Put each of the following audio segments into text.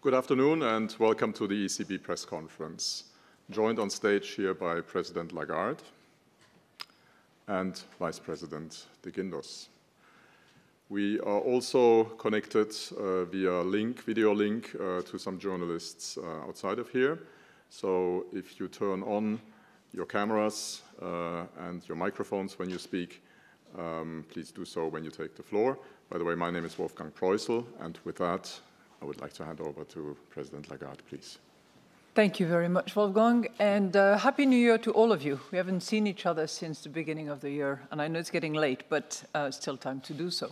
Good afternoon, and welcome to the ECB press conference. Joined on stage here by President Lagarde and Vice President de Guindos. We are also connected, via link, video link, to some journalists, outside of here. So if you turn on your cameras, and your microphones when you speak, please do so when you take the floor. By the way, my name is Wolfgang Proissl, and with that, I would like to hand over to President Lagarde, please Thank you very much, Wolfgang, and, Happy New Year to all of you. We haven't seen each other since the beginning of the year, and I know it's getting late, but, still time to do so.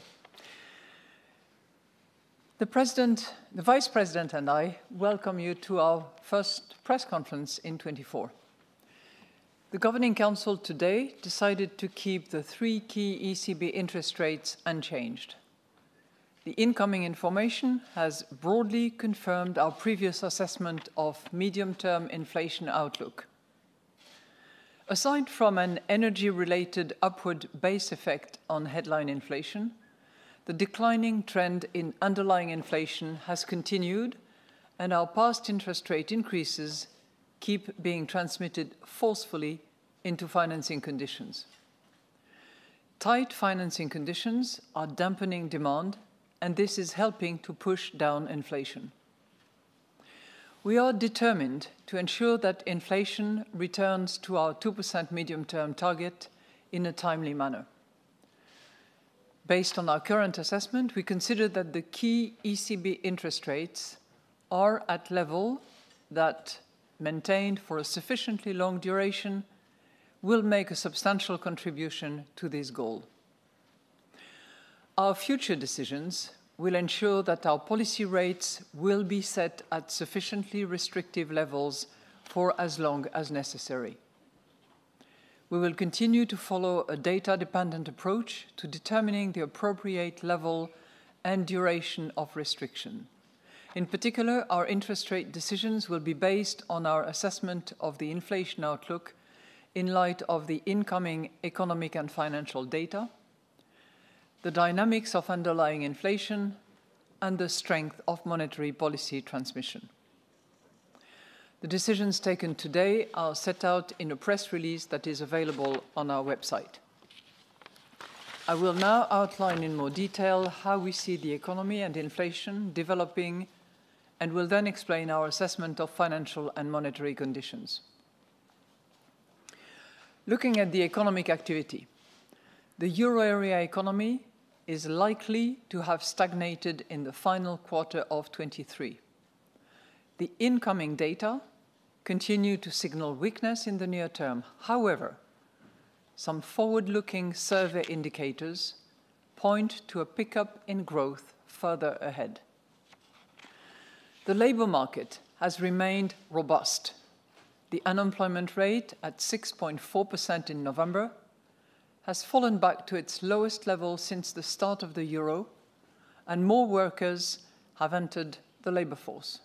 The President, the Vice President, and I welcome you to our first press conference in 2024. The Governing Council today decided to keep the three key ECB interest rates unchanged. The incoming information has broadly confirmed our previous assessment of medium-term inflation outlook. Aside from an energy-related upward base effect on headline inflation, the declining trend in underlying inflation has continued, and our past interest rate increases keep being transmitted forcefully into financing conditions. Tight financing conditions are dampening demand, and this is helping to push down inflation. We are determined to ensure that inflation returns to our 2% medium-term target in a timely manner. Based on our current assessment, we consider that the key ECB interest rates are at a level that, maintained for a sufficiently long duration, will make a substantial contribution to this goal. Our future decisions will ensure that our policy rates will be set at sufficiently restrictive levels for as long as necessary. We will continue to follow a data-dependent approach to determining the appropriate level and duration of restriction. In particular, our interest rate decisions will be based on our assessment of the inflation outlook in light of the incoming economic and financial data, the dynamics of underlying inflation, and the strength of monetary policy transmission. The decisions taken today are set out in a press release that is available on our website. I will now outline in more detail how we see the economy and inflation developing, and will then explain our assessment of financial and monetary conditions. Looking at the economic activity, the Euro area economy is likely to have stagnated in the final quarter of 2023. The incoming data continue to signal weakness in the near term. However, some forward-looking survey indicators point to a pickup in growth further ahead. The labor market has remained robust. The unemployment rate, at 6.4% in November, has fallen back to its lowest level since the start of the euro, and more workers have entered the labor force.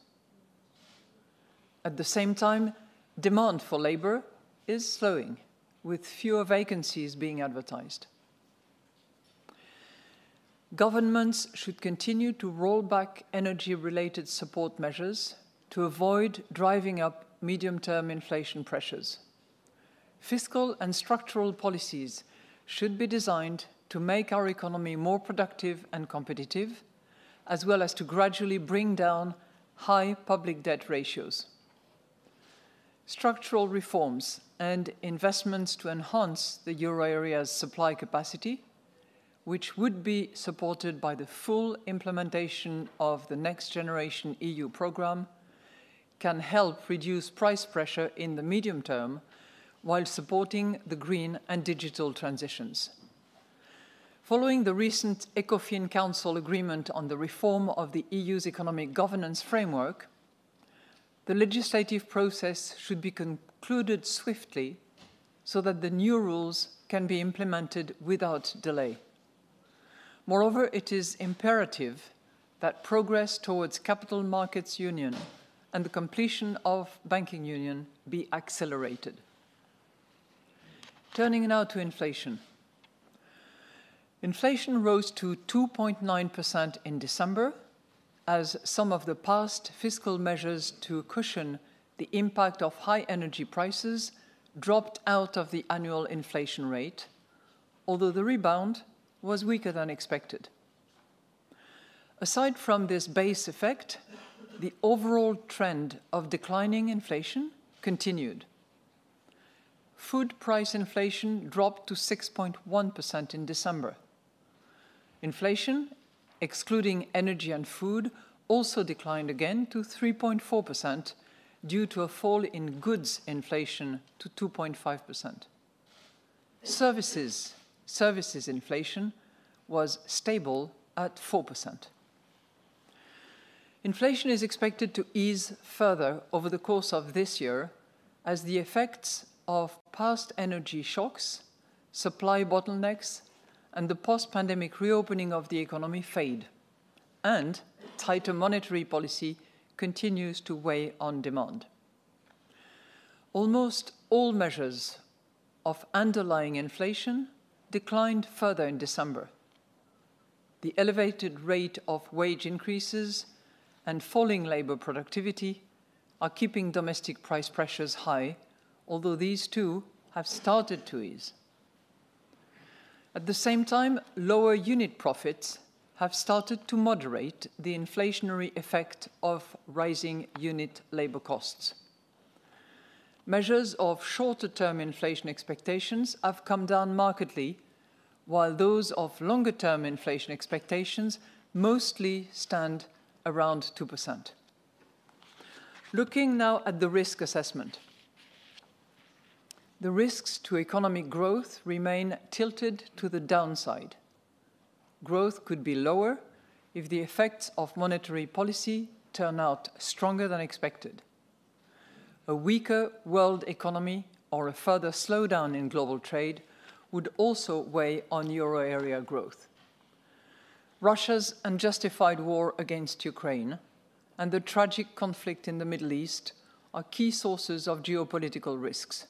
At the same time, demand for labor is slowing, with fewer vacancies being advertised. Governments should continue to roll back energy-related support measures to avoid driving up medium-term inflation pressures. Fiscal and structural policies should be designed to make our economy more productive and competitive, as well as to gradually bring down high public debt ratios. Structural reforms and investments to enhance the euro area's supply capacity, which would be supported by the full implementation of the Next Generation EU program, can help reduce price pressure in the medium term while supporting the green and digital transitions. Following the recent Ecofin Council agreement on the reform of the EU's economic governance framework, the legislative process should be concluded swiftly so that the new rules can be implemented without delay. Moreover, it is imperative that progress towards Capital Markets Union and the completion of Banking Union be accelerated. Turning now to inflation. Inflation rose to 2.9% in December, as some of the past fiscal measures to cushion the impact of high energy prices dropped out of the annual inflation rate, although the rebound was weaker than expected. Aside from this base effect, the overall trend of declining inflation continued. Food price inflation dropped to 6.1% in December. Inflation, excluding energy and food, also declined again to 3.4% due to a fall in goods inflation to 2.5%. Services inflation was stable at 4%. Inflation is expected to ease further over the course of this year as the effects of past energy shocks, supply bottlenecks, and the post-pandemic reopening of the economy fade, and tighter monetary policy continues to weigh on demand. Almost all measures of underlying inflation declined further in December. The elevated rate of wage increases and falling labor productivity are keeping domestic price pressures high, although these two have started to ease. At the same time, lower unit profits have started to moderate the inflationary effect of rising unit labor costs. Measures of shorter-term inflation expectations have come down markedly, while those of longer-term inflation expectations mostly stand around 2%. Looking now at the risk assessment. The risks to economic growth remain tilted to the downside. Growth could be lower if the effects of monetary policy turn out stronger than expected. A weaker world economy or a further slowdown in global trade would also weigh on Euro area growth. Russia's unjustified war against Ukraine and the tragic conflict in the Middle East are key sources of geopolitical risks.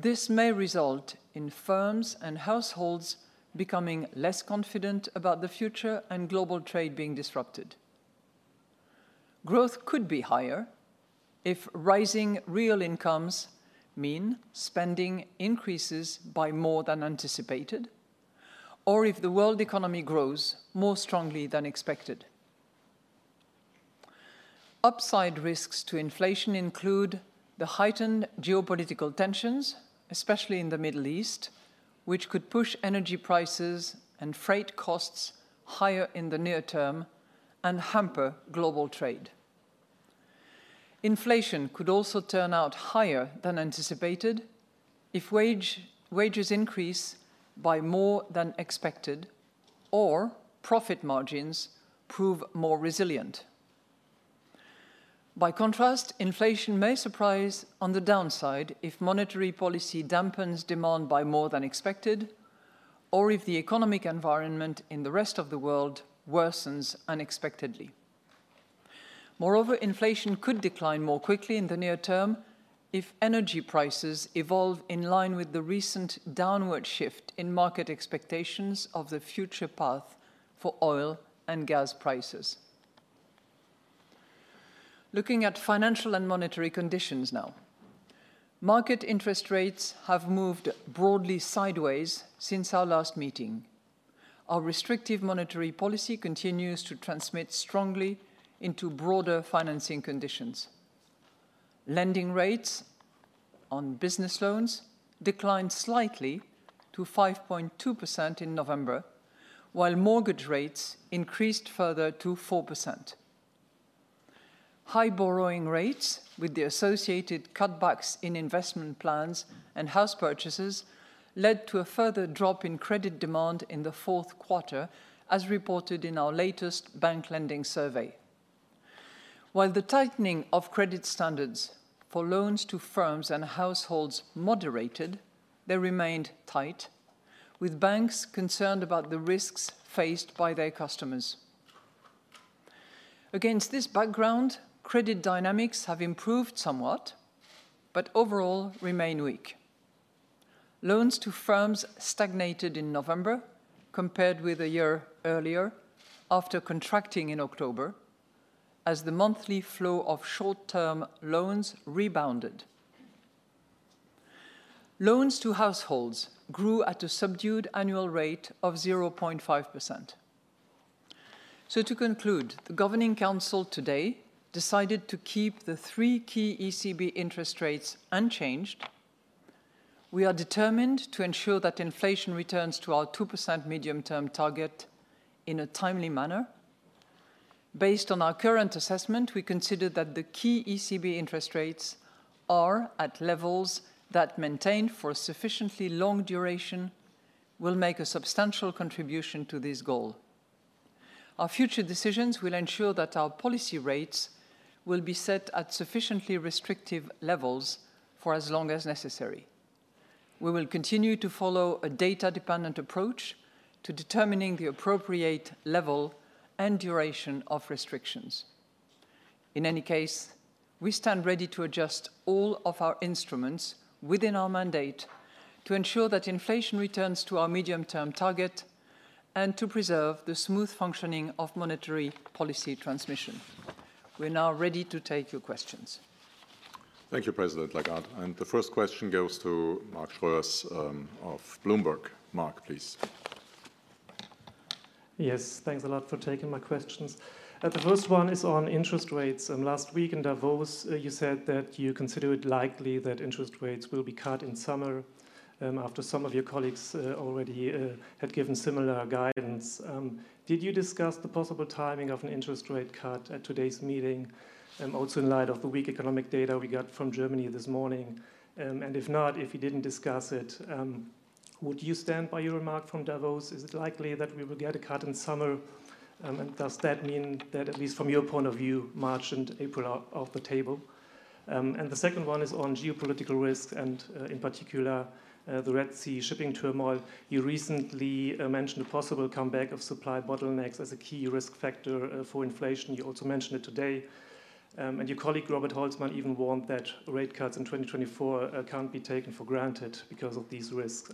This may result in firms and households becoming less confident about the future and global trade being disrupted. Growth could be higher if rising real incomes mean spending increases by more than anticipated, or if the world economy grows more strongly than expected. Upside risks to inflation include the heightened geopolitical tensions, especially in the Middle East, which could push energy prices and freight costs higher in the near term and hamper global trade. Inflation could also turn out higher than anticipated if wages increase by more than expected or profit margins prove more resilient. By contrast, inflation may surprise on the downside if monetary policy dampens demand by more than expected, or if the economic environment in the rest of the world worsens unexpectedly. Moreover, inflation could decline more quickly in the near term if energy prices evolve in line with the recent downward shift in market expectations of the future path for oil and gas prices. Looking at financial and monetary conditions now. Market interest rates have moved broadly sideways since our last meeting. Our restrictive monetary policy continues to transmit strongly into broader financing conditions. Lending rates on business loans declined slightly to 5.2% in November, while mortgage rates increased further to 4%. High borrowing rates, with the associated cutbacks in investment plans and house purchases, led to a further drop in credit demand in the fourth quarter, as reported in our latest bank lending survey. While the tightening of credit standards for loans to firms and households moderated, they remained tight, with banks concerned about the risks faced by their customers. Against this background, credit dynamics have improved somewhat, but overall remain weak. Loans to firms stagnated in November compared with a year earlier, after contracting in October, as the monthly flow of short-term loans rebounded. Loans to households grew at a subdued annual rate of 0.5%. To conclude, the Governing Council today decided to keep the three key ECB interest rates unchanged. We are determined to ensure that inflation returns to our 2% medium-term target in a timely manner. Based on our current assessment, we consider that the key ECB interest rates are at levels that, maintained for a sufficiently long duration, will make a substantial contribution to this goal. Our future decisions will ensure that our policy rates will be set at sufficiently restrictive levels for as long as necessary. We will continue to follow a data-dependent approach to determining the appropriate level and duration of restrictions. In any case, we stand ready to adjust all of our instruments within our mandate to ensure that inflation returns to our medium-term target and to preserve the smooth functioning of monetary policy transmission. We're now ready to take your questions. Thank you, President Lagarde. The first question goes to Mark Schroers, of Bloomberg. Mark, please. Yes, thanks a lot for taking my questions. The first one is on interest rates. Last week in Davos, you said that you consider it likely that interest rates will be cut in summer, after some of your colleagues already had given similar guidance. Did you discuss the possible timing of an interest rate cut at today's meeting, also in light of the weak economic data we got from Germany this morning? And if not, if you didn't discuss it, would you stand by your remark from Davos? Is it likely that we will get a cut in summer, and does that mean that at least from your point of view, March and April are off the table? And the second one is on geopolitical risk and, in particular, the Red Sea shipping turmoil. You recently mentioned a possible comeback of supply bottlenecks as a key risk factor for inflation. You also mentioned it today, and your colleague, Robert Holzmann, even warned that rate cuts in 2024 can't be taken for granted because of these risks.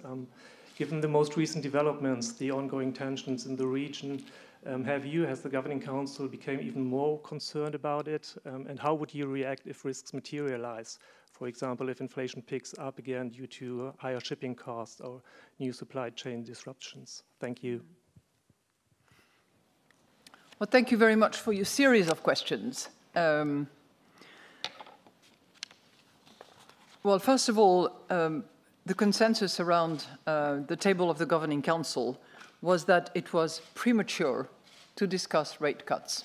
Given the most recent developments, the ongoing tensions in the region, have you, as the Governing Council, became even more concerned about it? How would you react if risks materialize, for example, if inflation picks up again due to higher shipping costs or new supply chain disruptions? Thank you. Well, thank you very much for your series of questions. Well, first of all, the consensus around the table of the Governing Council was that it was premature to discuss rate cuts.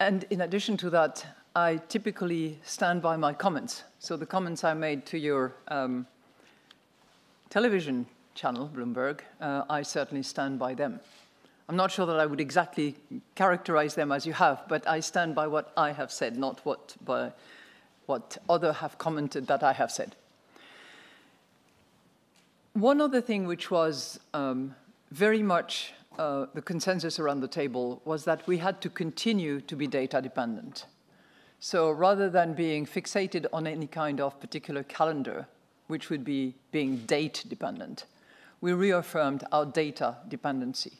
And in addition to that, I typically stand by my comments. So the comments I made to your television channel, Bloomberg, I certainly stand by them. I'm not sure that I would exactly characterize them as you have, but I stand by what I have said, not what by, what other have commented that I have said. One other thing which was very much the consensus around the table was that we had to continue to be data dependent. So rather than being fixated on any kind of particular calendar, which would be being date dependent, we reaffirmed our data dependency.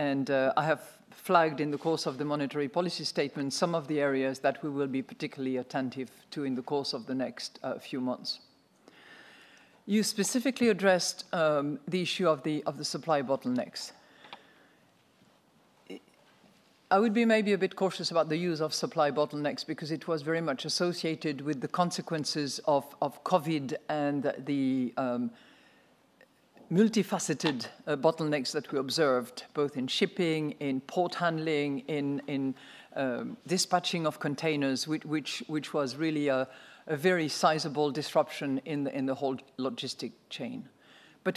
I have flagged in the course of the monetary policy statement some of the areas that we will be particularly attentive to in the course of the next few months. You specifically addressed the issue of the supply bottlenecks. I would be maybe a bit cautious about the use of supply bottlenecks because it was very much associated with the consequences of COVID and the multifaceted bottlenecks that we observed, both in shipping, in port handling, in dispatching of containers, which was really a very sizable disruption in the whole logistic chain.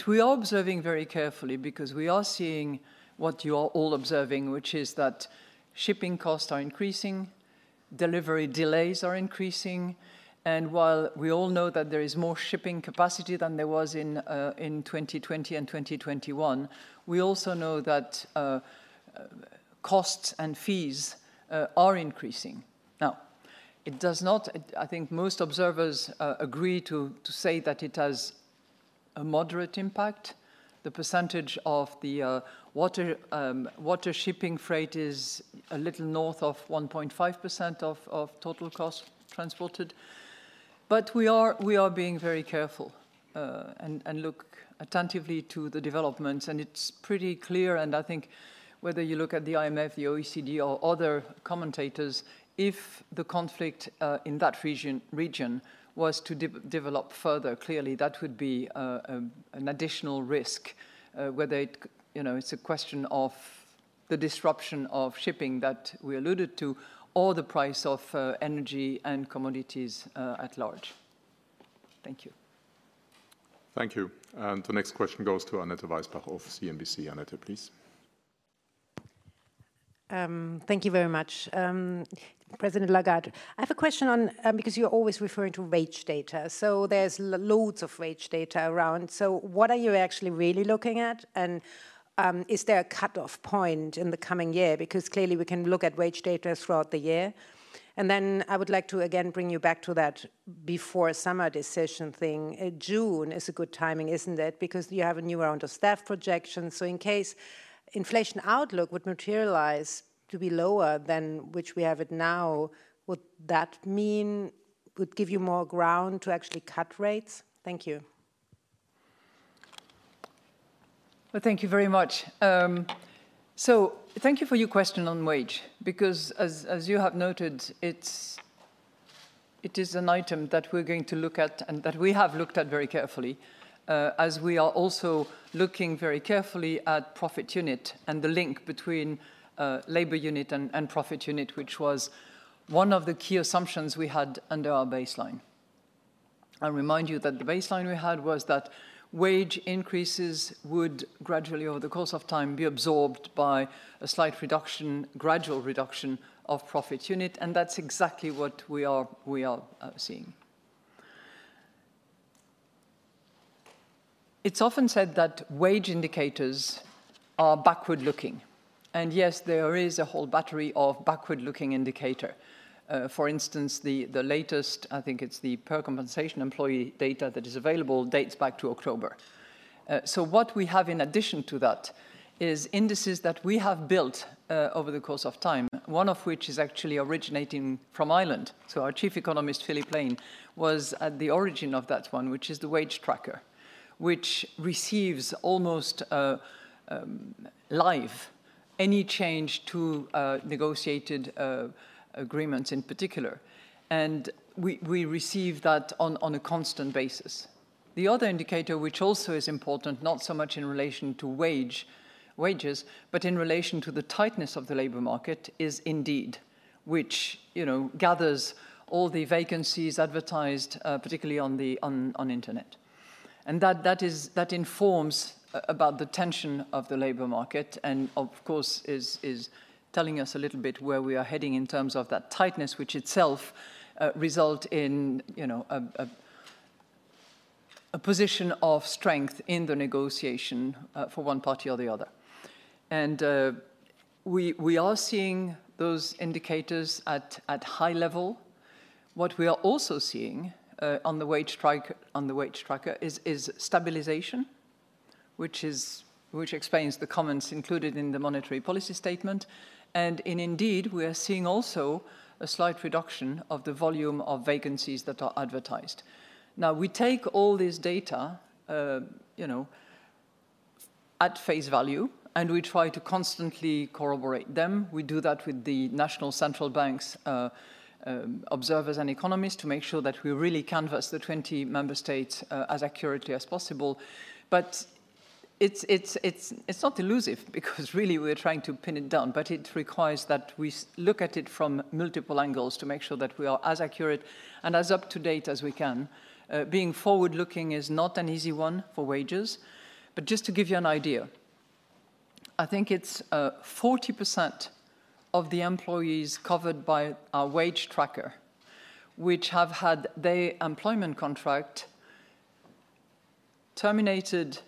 We are observing very carefully because we are seeing what you are all observing, which is that shipping costs are increasing, delivery delays are increasing, and while we all know that there is more shipping capacity than there was in 2020 and 2021, we also know that costs and fees are increasing. Now, it does not... I think most observers agree to say that it has a moderate impact. The percentage of the waterborne shipping freight is a little north of 1.5% of total cost transported. But we are being very careful, and look attentively to the developments, and it's pretty clear, and I think whether you look at the IMF, the OECD, or other commentators, if the conflict in that region was to develop further, clearly that would be an additional risk, whether it, you know, it's a question of the disruption of shipping that we alluded to, or the price of energy and commodities at large. Thank you. Thank you. The next question goes to Annette Weisbach of CNBC. Annette, please. Thank you very much. President Lagarde, I have a question on, because you're always referring to wage data. So there's loads of wage data around. So what are you actually really looking at? And, is there a cutoff point in the coming year? Because clearly, we can look at wage data throughout the year. And then I would like to again bring you back to that before summer decision thing. June is a good timing, isn't it? Because you have a new round of staff projections, so in case inflation outlook would materialize to be lower than which we have it now, would that mean—would give you more ground to actually cut rates? Thank you. Well, thank you very much. So thank you for your question on wage, because as you have noted, it is an item that we're going to look at and that we have looked at very carefully, as we are also looking very carefully at unit profits and the link between unit labor costs and unit profits, which was one of the key assumptions we had under our baseline. I remind you that the baseline we had was that wage increases would gradually, over the course of time, be absorbed by a slight reduction, gradual reduction of unit profits, and that's exactly what we are seeing. It's often said that wage indicators are backward-looking, and yes, there is a whole battery of backward-looking indicator. For instance, the latest, I think it's the per employee compensation data that is available, dates back to October. So what we have in addition to that is indices that we have built, over the course of time, one of which is actually originating from Ireland. So our chief economist, Philip Lane, was at the origin of that one, which is the wage tracker, which receives almost any change to negotiated agreements in particular, and we receive that on a constant basis. The other indicator, which also is important, not so much in relation to wages, but in relation to the tightness of the labor market, is Indeed, which, you know, gathers all the vacancies advertised, particularly on the internet. That informs about the tension of the labor market, and of course, is telling us a little bit where we are heading in terms of that tightness, which itself result in, you know, a position of strength in the negotiation for one party or the other. We are seeing those indicators at high level. What we are also seeing on the wage tracker is stabilization, which explains the comments included in the monetary policy statement, and in Indeed, we are seeing also a slight reduction of the volume of vacancies that are advertised. Now, we take all this data, you know, at face value, and we try to constantly corroborate them. We do that with the national central bank's observers and economists to make sure that we really canvass the 20 member states as accurately as possible. But it's not elusive, because really we're trying to pin it down, but it requires that we look at it from multiple angles to make sure that we are as accurate and as up-to-date as we can. Being forward-looking is not an easy one for wages, but just to give you an idea, I think it's 40% of the employees covered by our wage tracker, which have had their employment contract renewed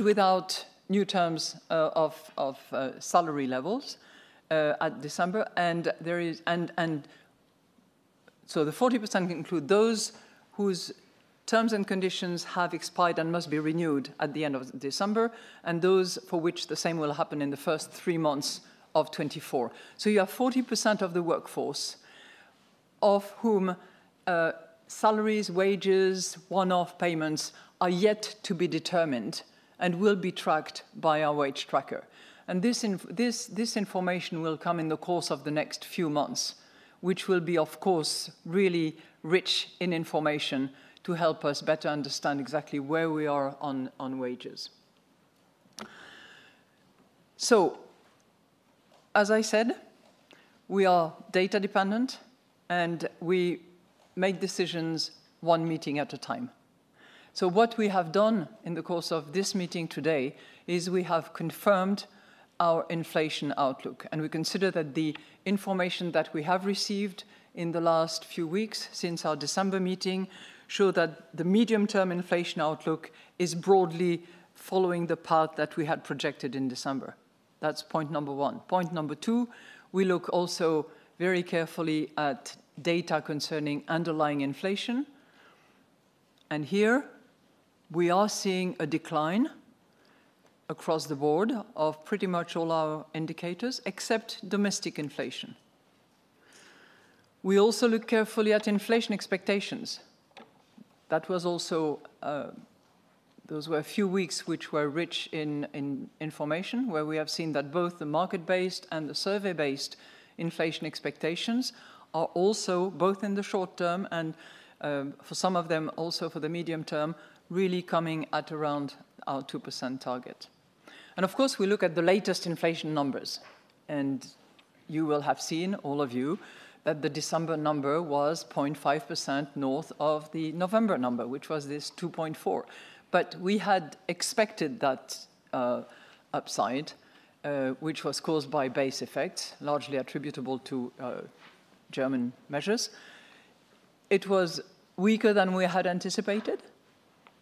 without new terms of salary levels at December, and there is... And so the 40% include those whose terms and conditions have expired and must be renewed at the end of December, and those for which the same will happen in the first three months of 2024. So you have 40% of the workforce of whom salaries, wages, one-off payments are yet to be determined and will be tracked by our wage tracker. And this information will come in the course of the next few months, which will be, of course, really rich in information to help us better understand exactly where we are on wages. So, as I said, we are data dependent, and we make decisions one meeting at a time. So what we have done in the course of this meeting today, is we have confirmed our inflation outlook, and we consider that the information that we have received in the last few weeks since our December meeting, show that the medium-term inflation outlook is broadly following the path that we had projected in December. That's point number one. Point number two, we look also very carefully at data concerning underlying inflation, and here we are seeing a decline across the board of pretty much all our indicators, except domestic inflation. We also look carefully at inflation expectations. That was also... Those were a few weeks which were rich in information, where we have seen that both the market-based and the survey-based inflation expectations are also both in the short term and, for some of them, also for the medium term, really coming at around our 2% target. And of course, we look at the latest inflation numbers, and you will have seen, all of you, that the December number was 0.5% north of the November number, which was this 2.4. But we had expected that upside, which was caused by base effect, largely attributable to German measures. It was weaker than we had anticipated,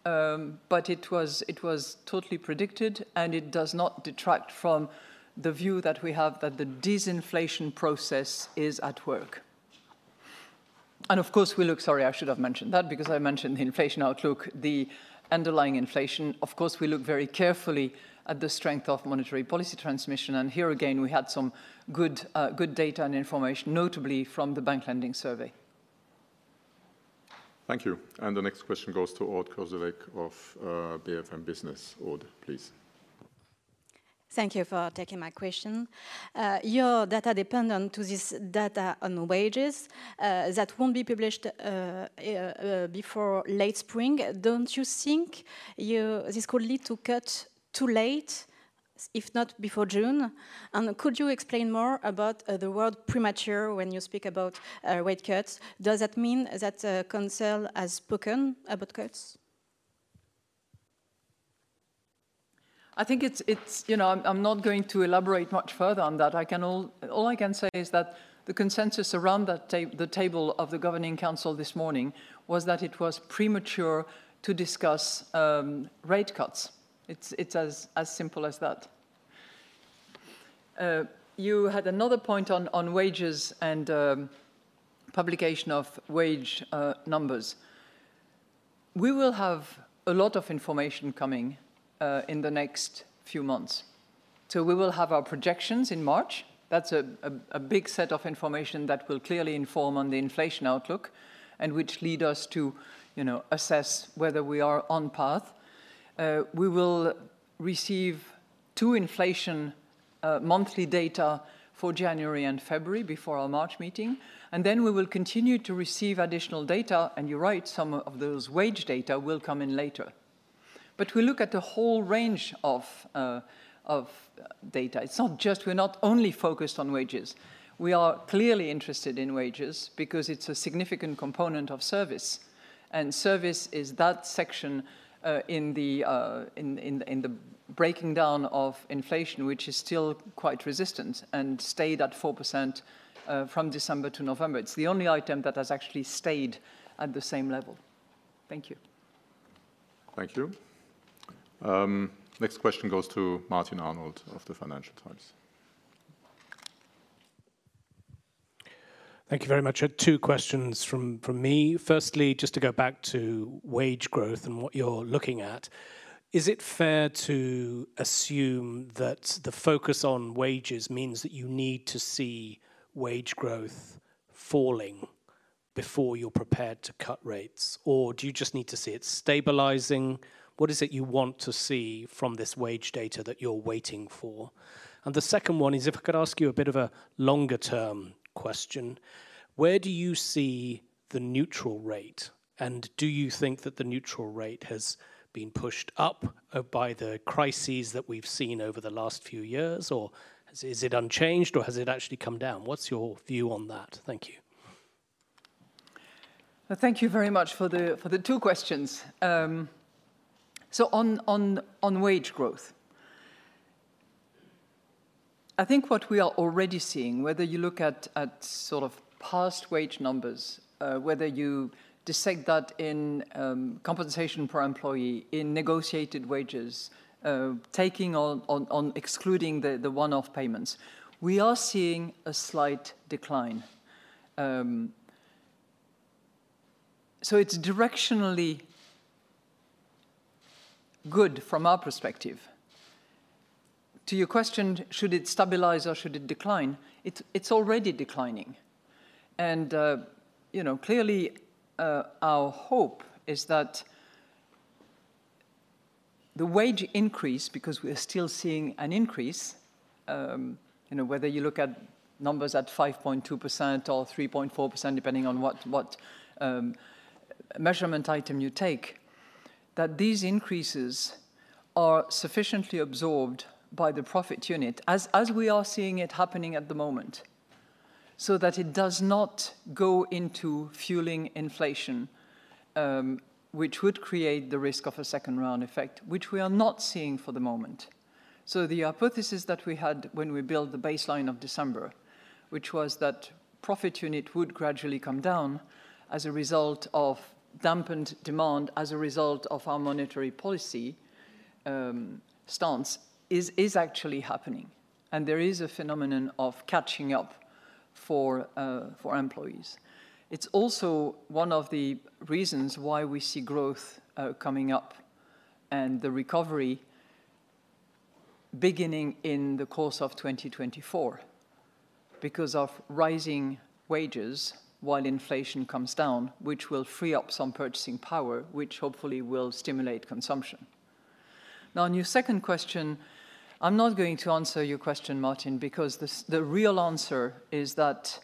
but it was totally predicted, and it does not detract from the view that we have that the disinflation process is at work. And of course, we look... Sorry, I should have mentioned that, because I mentioned the inflation outlook, the underlying inflation. Of course, we look very carefully at the strength of monetary policy transmission, and here again, we had some good, good data and information, notably from the bank lending survey. Thank you. The next question goes to Aude Kersulec of BFM Business. Aude, please. Thank you for taking my question. You're data dependent to this data on wages that won't be published before late spring. Don't you think you, this could lead to cut too late, if not, before June? And could you explain more about the word premature when you speak about rate cuts? Does that mean that council has spoken about cuts? I think it's, you know, I'm not going to elaborate much further on that. I can only... All I can say is that the consensus around the table of the Governing Council this morning was that it was premature to discuss rate cuts. It's as simple as that. You had another point on wages and publication of wage numbers. We will have a lot of information coming in the next few months.... So we will have our projections in March. That's a big set of information that will clearly inform on the inflation outlook, and which lead us to, you know, assess whether we are on path. We will receive two inflation monthly data for January and February before our March meeting, and then we will continue to receive additional data, and you're right, some of those wage data will come in later. But we look at the whole range of data. It's not just, we're not only focused on wages. We are clearly interested in wages because it's a significant component of service, and service is that section in the breaking down of inflation, which is still quite resistant and stayed at 4% from December to November. It's the only item that has actually stayed at the same level. Thank you. Thank you. Next question goes to Martin Arnold of the Financial Times. Thank you very much. I have two questions from me. Firstly, just to go back to wage growth and what you're looking at, is it fair to assume that the focus on wages means that you need to see wage growth falling before you're prepared to cut rates, or do you just need to see it stabilizing? What is it you want to see from this wage data that you're waiting for? And the second one is, if I could ask you a bit of a longer-term question: Where do you see the neutral rate, and do you think that the neutral rate has been pushed up by the crises that we've seen over the last few years, or is it unchanged, or has it actually come down? What's your view on that? Thank you. Thank you very much for the two questions. So on wage growth, I think what we are already seeing, whether you look at sort of past wage numbers, whether you dissect that in compensation per employee, in negotiated wages, taking on excluding the one-off payments, we are seeing a slight decline. So it's directionally good from our perspective. To your question, should it stabilize or should it decline? It's already declining. You know, clearly, our hope is that the wage increase, because we're still seeing an increase, you know, whether you look at numbers at 5.2% or 3.4%, depending on what measurement item you take, that these increases are sufficiently absorbed by the profit unit, as we are seeing it happening at the moment, so that it does not go into fueling inflation, which would create the risk of a second-round effect, which we are not seeing for the moment. So the hypothesis that we had when we built the baseline of December, which was that profit unit would gradually come down as a result of dampened demand, as a result of our monetary policy stance, is actually happening, and there is a phenomenon of catching up for employees. It's also one of the reasons why we see growth coming up and the recovery beginning in the course of 2024, because of rising wages while inflation comes down, which will free up some purchasing power, which hopefully will stimulate consumption. Now, on your second question, I'm not going to answer your question, Martin, because the real answer is that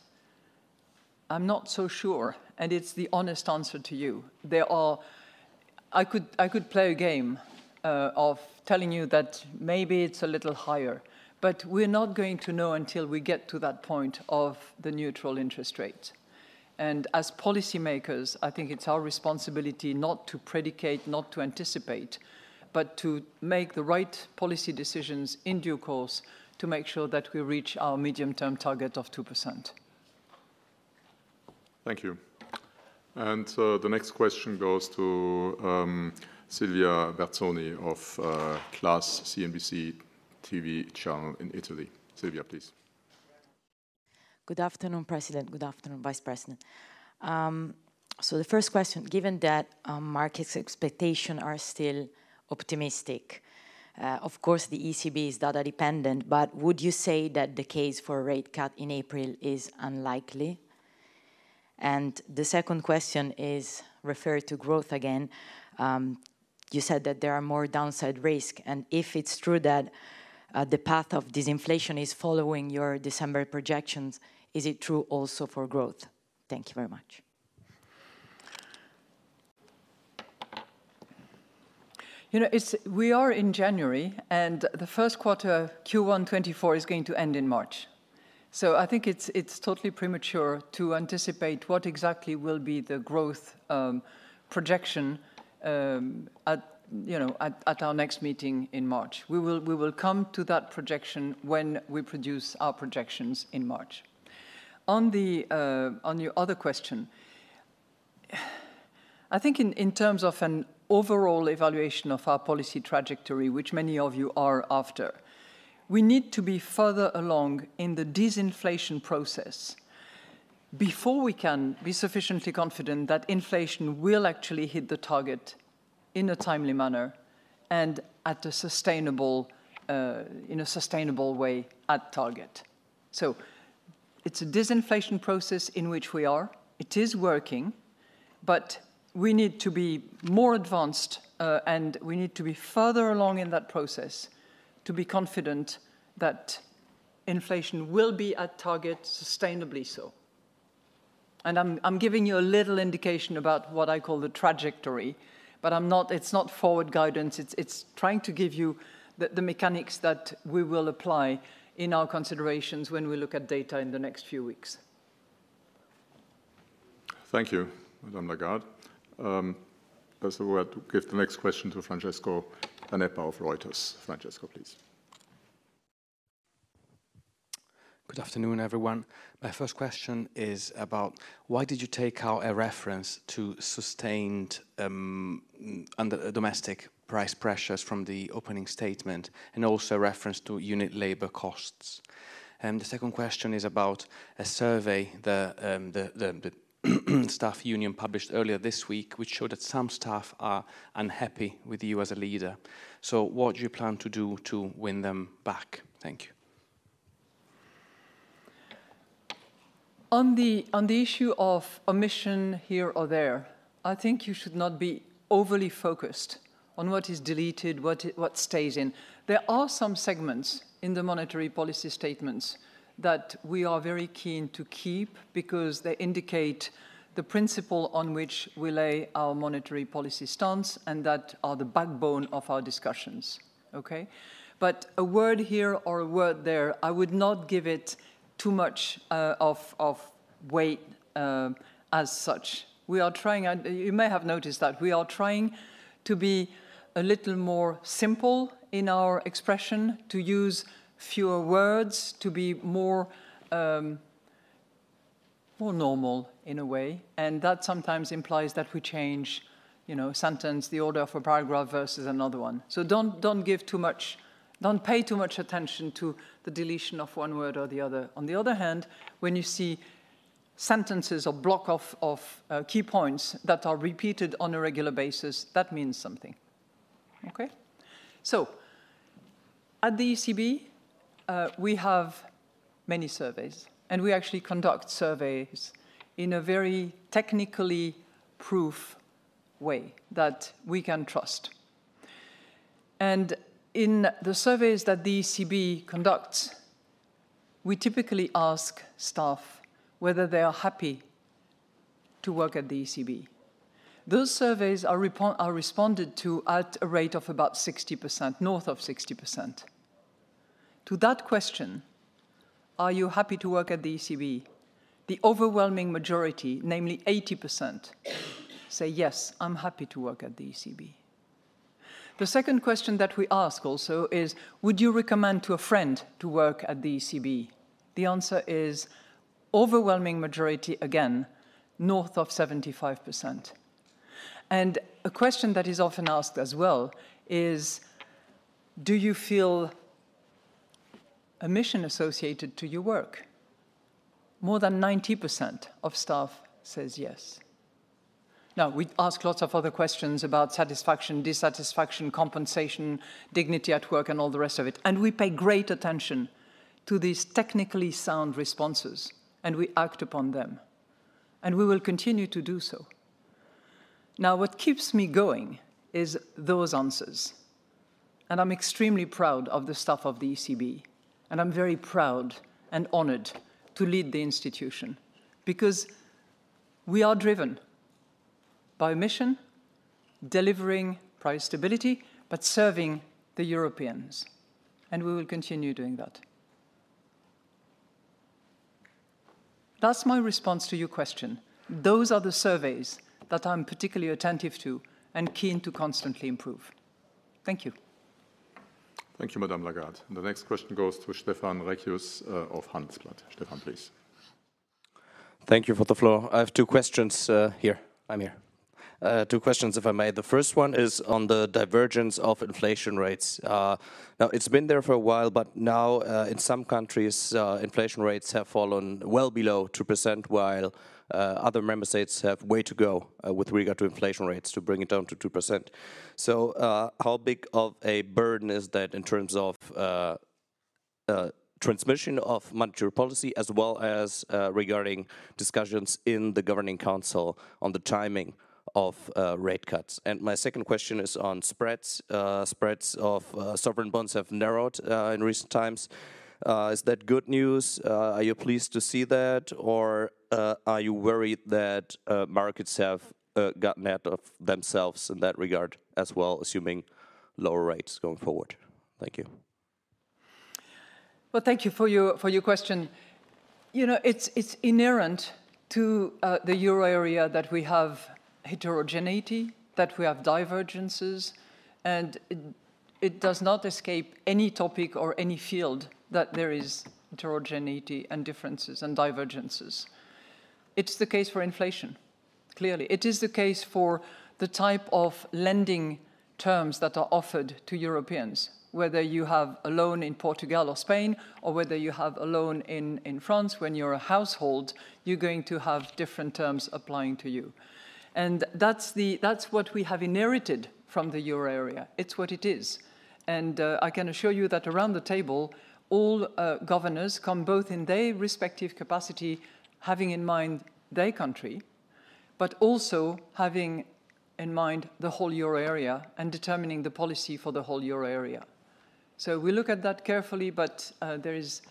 I'm not so sure, and it's the honest answer to you. I could play a game of telling you that maybe it's a little higher, but we're not going to know until we get to that point of the neutral interest rate. And as policymakers, I think it's our responsibility not to predicate, not to anticipate, but to make the right policy decisions in due course to make sure that we reach our medium-term target of 2%. Thank you. And, the next question goes to, Silvia Berzoni of, Class CNBC TV channel in Italy. Silvia, please. Good afternoon, President. Good afternoon, Vice President. So the first question, given that market's expectation are still optimistic, of course, the ECB is data-dependent, but would you say that the case for a rate cut in April is unlikely? And the second question is referred to growth again. You said that there are more downside risk, and if it's true that the path of disinflation is following your December projections, is it true also for growth? Thank you very much. You know, it's we are in January, and the first quarter, Q1 2024, is going to end in March. So I think it's totally premature to anticipate what exactly will be the growth projection at you know at our next meeting in March. We will come to that projection when we produce our projections in March. On the on your other question, I think in terms of an overall evaluation of our policy trajectory, which many of you are after, we need to be further along in the disinflation process... before we can be sufficiently confident that inflation will actually hit the target in a timely manner and at a sustainable in a sustainable way at target. So it's a disinflation process in which we are. It is working, but we need to be more advanced, and we need to be further along in that process to be confident that inflation will be at target, sustainably so. And I'm, I'm giving you a little indication about what I call the trajectory, but I'm not—it's not forward guidance. It's, it's trying to give you the, the mechanics that we will apply in our considerations when we look at data in the next few weeks. Thank you, Madame Lagarde. First of all, I give the next question to Francesco Canepa of Reuters. Francesco, please. Good afternoon, everyone. My first question is about: Why did you take out a reference to sustained under domestic price pressures from the opening statement, and also reference to unit labor costs? And the second question is about a survey the staff union published earlier this week, which showed that some staff are unhappy with you as a leader. So what do you plan to do to win them back? Thank you. On the issue of omission here or there, I think you should not be overly focused on what is deleted, what stays in. There are some segments in the monetary policy statements that we are very keen to keep because they indicate the principle on which we lay our monetary policy stance, and that are the backbone of our discussions. Okay? But a word here or a word there, I would not give it too much of weight as such. We are trying and... You may have noticed that we are trying to be a little more simple in our expression, to use fewer words, to be more more normal in a way, and that sometimes implies that we change, you know, sentence, the order of a paragraph versus another one. So don't pay too much attention to the deletion of one word or the other. On the other hand, when you see sentences or block of key points that are repeated on a regular basis, that means something. Okay? So at the ECB, we have many surveys, and we actually conduct surveys in a very technically proven way that we can trust. And in the surveys that the ECB conducts, we typically ask staff whether they are happy to work at the ECB. Those surveys are responded to at a rate of about 60%, north of 60%. To that question: "Are you happy to work at the ECB?" The overwhelming majority, namely 80%, say, "Yes, I'm happy to work at the ECB." The second question that we ask also is: "Would you recommend to a friend to work at the ECB?" The answer is overwhelming majority, again, north of 75%. A question that is often asked as well is: "Do you feel a mission associated to your work?" More than 90% of staff says yes. Now, we ask lots of other questions about satisfaction, dissatisfaction, compensation, dignity at work, and all the rest of it, and we pay great attention to these technically sound responses, and we act upon them, and we will continue to do so. Now, what keeps me going is those answers, and I'm extremely proud of the staff of the ECB, and I'm very proud and honored to lead the institution, because we are driven by a mission, delivering price stability, but serving the Europeans, and we will continue doing that. That's my response to your question. Those are the surveys that I'm particularly attentive to and keen to constantly improve. Thank you. Thank you, Madame Lagarde. The next question goes to Stefan Reccius of Handelsblatt. Stefan, please. Thank you for the floor. I have two questions here. I'm here. Two questions, if I may. The first one is on the divergence of inflation rates. Now, it's been there for a while, but now, in some countries, inflation rates have fallen well below 2%, while other member states have way to go with regard to inflation rates to bring it down to 2%. So, how big of a burden is that in terms of transmission of monetary policy, as well as regarding discussions in the Governing Council on the timing of rate cuts? And my second question is on spreads. Spreads of sovereign bonds have narrowed in recent times. Is that good news? Are you pleased to see that, or are you worried that markets have gotten ahead of themselves in that regard as well, assuming lower rates going forward? Thank you. Well, thank you for your, for your question. You know, it's, it's inherent to, the Euro area that we have heterogeneity, that we have divergences, and it, it does not escape any topic or any field that there is heterogeneity and differences and divergences. It's the case for inflation. Clearly, it is the case for the type of lending terms that are offered to Europeans, whether you have a loan in Portugal or Spain, or whether you have a loan in, in France, when you're a household, you're going to have different terms applying to you. And that's, that's what we have inherited from the Euro area. It's what it is. And, I can assure you that around the table, all, governors come both in their respective capacity, having in mind their country, but also having in mind the whole Euro area and determining the policy for the whole Euro area. So we look at that carefully, but, there is,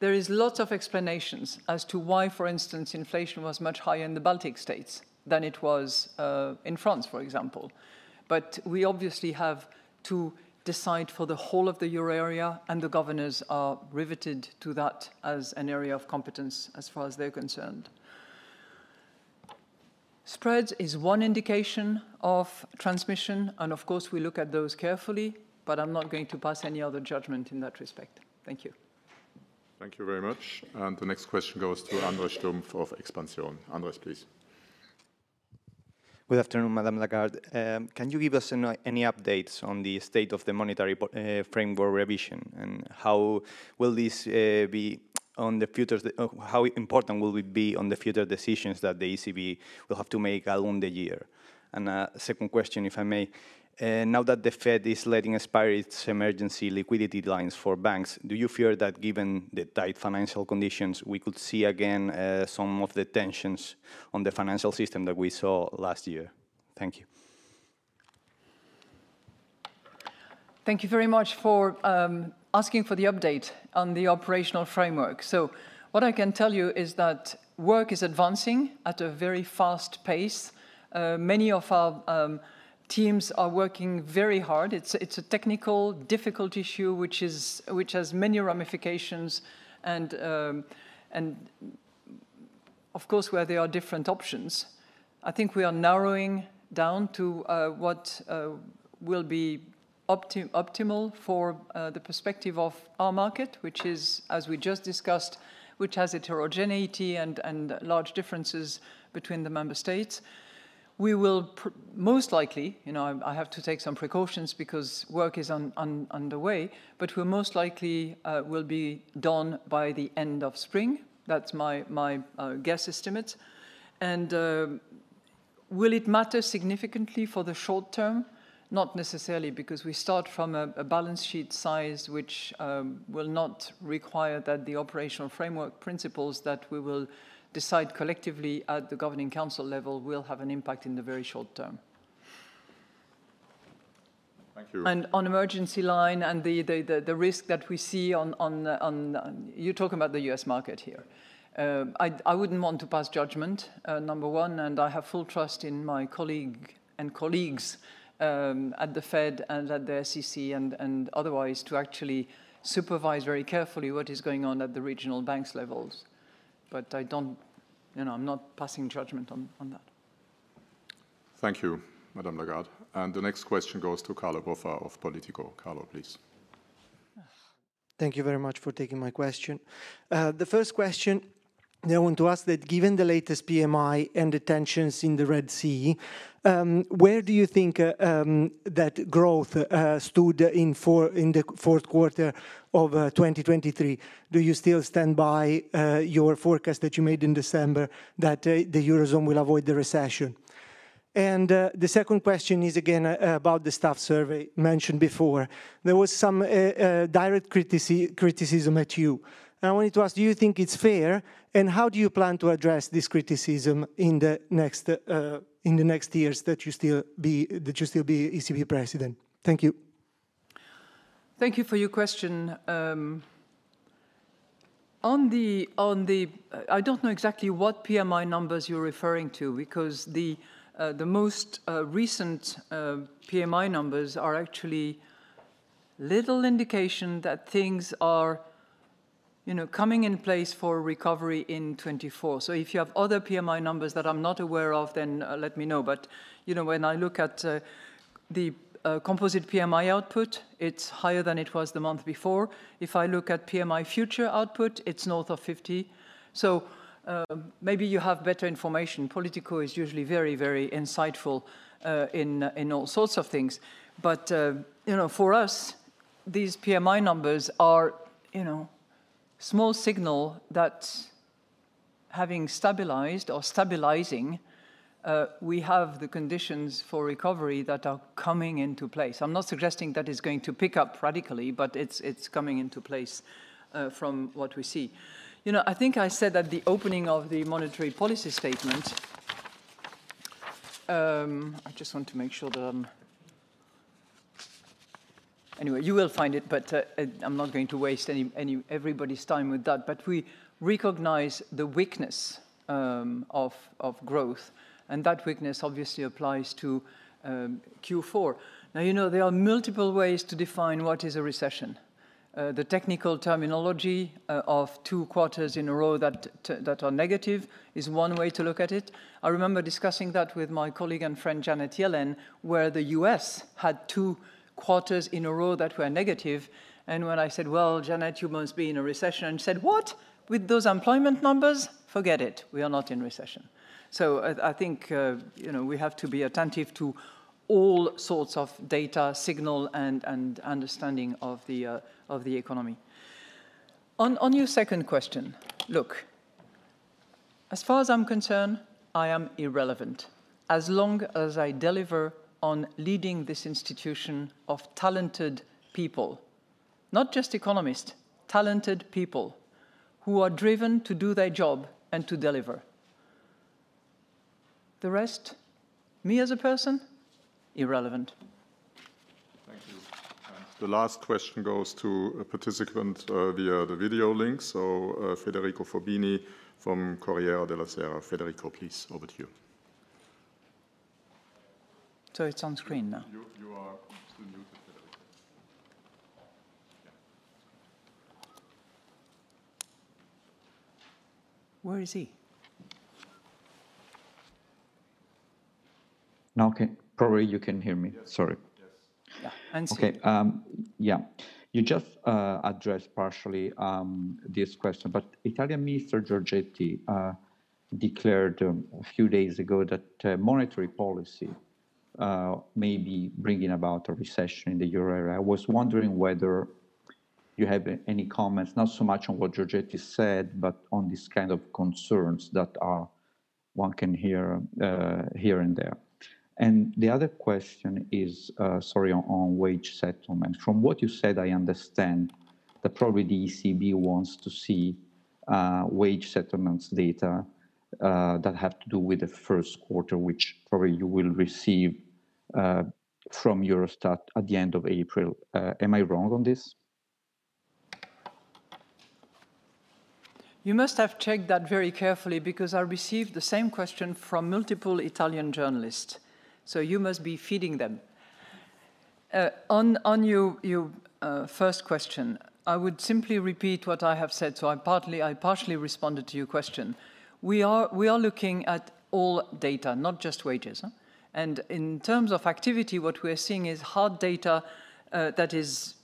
there is lots of explanations as to why, for instance, inflation was much higher in the Baltic States than it was, in France, for example. But we obviously have to decide for the whole of the Euro area, and the governors are riveted to that as an area of competence as far as they're concerned. Spreads is one indication of transmission, and of course, we look at those carefully, but I'm not going to pass any other judgment in that respect. Thank you. Thank you very much. The next question goes to Andrés Stumpf of Expansión. Andrés, please. Good afternoon, Madam Lagarde. Can you give us any updates on the state of the monetary framework revision, and how important will it be on the future decisions that the ECB will have to make along the year? And a second question, if I may. Now that the Fed is letting expire its emergency liquidity lines for banks, do you fear that given the tight financial conditions, we could see again some of the tensions on the financial system that we saw last year? Thank you. Thank you very much for asking for the update on the operational framework. So what I can tell you is that work is advancing at a very fast pace. Many of our teams are working very hard. It's a technical, difficult issue, which has many ramifications and of course, where there are different options. I think we are narrowing down to what will be optimal for the perspective of our market, which is, as we just discussed, which has heterogeneity and large differences between the member states. We will most likely, you know, I have to take some precautions because work is underway, but we're most likely will be done by the end of spring. That's my guess estimate. Will it matter significantly for the short term? Not necessarily, because we start from a balance sheet size which will not require that the operational framework principles that we will decide collectively at the Governing Council level will have an impact in the very short term. Thank you. On the emergency line and the risk that we see on... You're talking about the U.S. market here. I wouldn't want to pass judgment, number one, and I have full trust in my colleague and colleagues at the Fed and at the SEC and otherwise, to actually supervise very carefully what is going on at the regional banks levels. But I don't... you know, I'm not passing judgment on that. Thank you, Madam Lagarde. The next question goes to Carlo Boffa of Politico. Carlo, please. Thank you very much for taking my question. The first question that I want to ask, given the latest PMI and the tensions in the Red Sea, where do you think that growth stood in the fourth quarter of 2023? Do you still stand by your forecast that you made in December, that the Eurozone will avoid the recession? And the second question is again about the staff survey mentioned before. There was some direct criticism at you. And I wanted to ask, do you think it's fair, and how do you plan to address this criticism in the next years that you still be ECB president? Thank you. Thank you for your question. On the... I don't know exactly what PMI numbers you're referring to, because the most recent PMI numbers are actually little indication that things are, you know, coming in place for recovery in 2024. So if you have other PMI numbers that I'm not aware of, then let me know. But, you know, when I look at the Composite PMI Output, it's higher than it was the month before. If I look at PMI future output, it's north of 50. So, maybe you have better information. Politico is usually very, very insightful in all sorts of things. But, you know, for us, these PMI numbers are, you know, small signal that having stabilized or stabilizing, we have the conditions for recovery that are coming into place. I'm not suggesting that it's going to pick up radically, but it's, it's coming into place, from what we see. You know, I think I said at the opening of the monetary policy statement. Anyway, you will find it, but, I'm not going to waste any everybody's time with that. But we recognize the weakness of growth, and that weakness obviously applies to Q4. Now, you know, there are multiple ways to define what is a recession. The technical terminology of two quarters in a row that are negative is one way to look at it. I remember discussing that with my colleague and friend, Janet Yellen, where the U.S. had two quarters in a row that were negative, and when I said: "Well, Janet, you must be in a recession," and she said, "What? With those employment numbers? Forget it. We are not in recession." So I think, you know, we have to be attentive to all sorts of data signals and understanding of the economy. On your second question, look, as far as I'm concerned, I am irrelevant as long as I deliver on leading this institution of talented people. Not just economists, talented people who are driven to do their job and to deliver. The rest, me as a person? Irrelevant. Thank you. And the last question goes to a participant, via the video link. So, Federico Fubini from Corriere della Sera. Federico, please, over to you. So it's on screen now? You are still muted, Federico. Yeah. Where is he? Now probably you can hear me. Yes. Sorry. Yes. Yeah. Okay, yeah. You just addressed partially this question, but Italian Minister Giorgetti declared a few days ago that monetary policy may be bringing about a recession in the Euro area. I was wondering whether you have any comments, not so much on what Giorgetti said, but on these kind of concerns that are... one can hear here and there. And the other question is, sorry, on, on wage settlements. From what you said, I understand that probably the ECB wants to see wage settlements data that have to do with the first quarter, which probably you will receive from Eurostat at the end of April. Am I wrong on this? You must have checked that very carefully because I received the same question from multiple Italian journalists, so you must be feeding them. On your first question, I would simply repeat what I have said, so I partially responded to your question. We are looking at all data, not just wages, huh? And in terms of activity, what we are seeing is hard data that is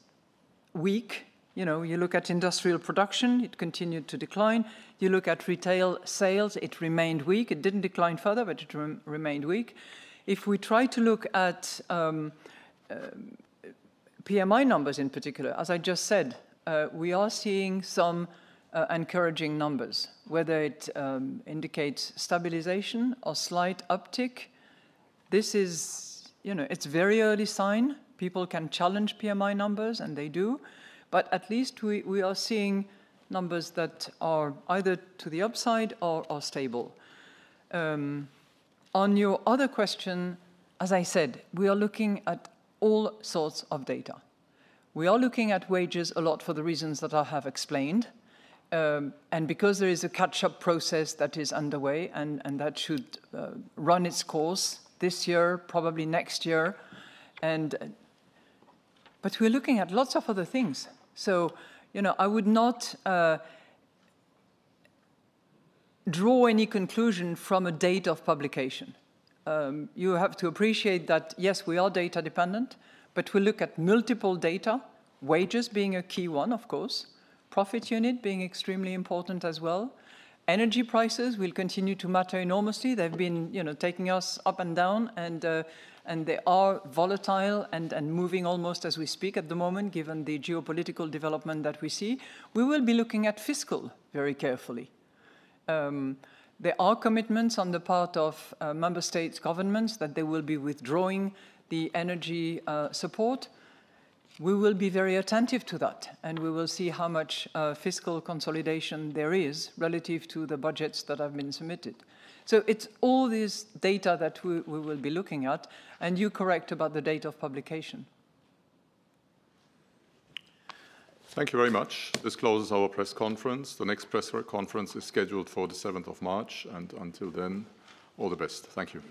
weak. You know, you look at industrial production, it continued to decline. You look at retail sales, it remained weak. It didn't decline further, but it remained weak. If we try to look at PMI numbers in particular, as I just said, we are seeing some encouraging numbers, whether it indicates stabilization or slight uptick. This is... You know, it's very early sign. People can challenge PMI numbers, and they do, but at least we, we are seeing numbers that are either to the upside or, or stable. On your other question, as I said, we are looking at all sorts of data. We are looking at wages a lot for the reasons that I have explained, and because there is a catch-up process that is underway, and, and that should run its course this year, probably next year, and. But we're looking at lots of other things. So, you know, I would not draw any conclusion from a date of publication. You have to appreciate that, yes, we are data dependent, but we look at multiple data, wages being a key one, of course, unit profits being extremely important as well. Energy prices will continue to matter enormously. They've been, you know, taking us up and down, and they are volatile and moving almost as we speak at the moment, given the geopolitical development that we see. We will be looking at fiscal very carefully. There are commitments on the part of member states' governments that they will be withdrawing the energy support. We will be very attentive to that, and we will see how much fiscal consolidation there is relative to the budgets that have been submitted. So it's all this data that we will be looking at, and you're correct about the date of publication. Thank you very much. This closes our press conference. The next press conference is scheduled for the seventh of March, and until then, all the best. Thank you.